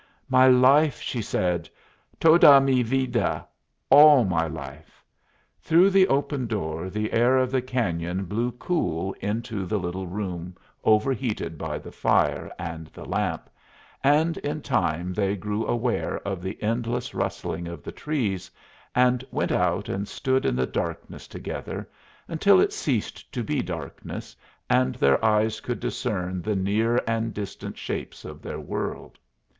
"My life!" she said. "Toda mi vida! All my life!" Through the open door the air of the cañon blew cool into the little room overheated by the fire and the lamp, and in time they grew aware of the endless rustling of the trees, and went out and stood in the darkness together, until it ceased to be darkness, and their eyes could discern the near and distant shapes of their world.